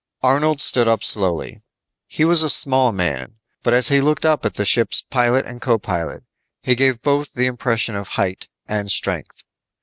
Arnold stood up slowly. He was a small man, but as he looked up at the ship's pilot and co pilot, he gave both the impression of height and strength.